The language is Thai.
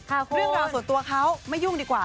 เรื่องราวส่วนตัวเขาไม่ยุ่งดีกว่า